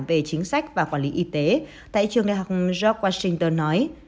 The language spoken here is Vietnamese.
về chính sách và quản lý y tế tại trường đại học job washington nói